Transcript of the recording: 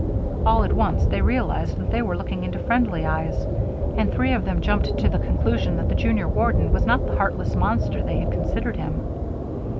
All at once, they realized that they were looking into friendly eyes, and three of them jumped to the conclusion that the junior warden was not the heartless monster they had considered him.